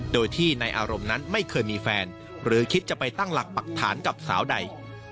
โดยที่ในอารมณ์นั้นไม่เคยมีแฟนหรือคิดจะไปตั้งหลักปักฐานกับสาวใด